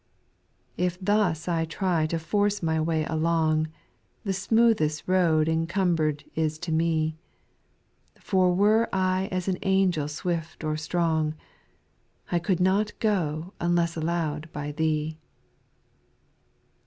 3. If thus I try to force my way along. The smoothest road encumber'd is to me ; For were I as an angel swift or strong, I could not go unless allow'd by Thee.